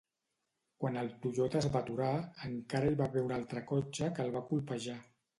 Quan el Toyota es va aturar, encara va haver un altre cotxe que el va colpejar.